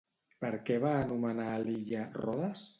Per què va anomenar a l'illa Rodes?